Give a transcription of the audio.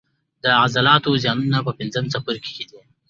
د عضلاتو زیانونه په پنځم څپرکي کې دي.